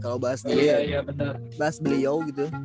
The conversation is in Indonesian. kalo bahas beliau gitu